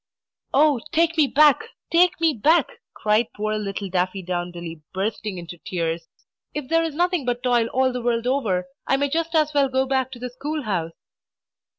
"Oh, take me back! take me back!" cried poor little Daffydowndilly, bursting into tears. "If there is nothing but Toil all the world over, I may just as well go back to the school house!"